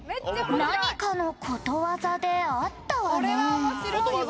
何かのことわざであったわね」